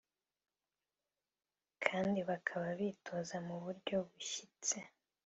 kandi bakaba bitoza mu buryo bushyitse (professionally)